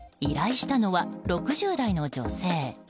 依頼したのは６０代の女性。